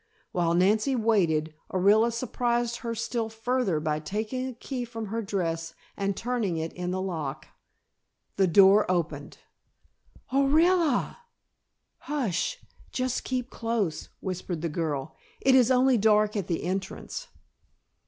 While Nancy waited, Orilla surprised her still further by taking a key from her dress and turning it in the lock. The door opened! "Orilla!" "Hush! Just keep close," whispered the girl. "It is only dark at the entrance."